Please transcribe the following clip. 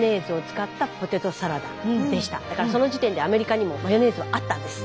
だからその時点でアメリカにもマヨネーズはあったんです。